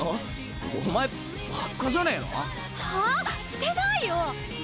してないよ！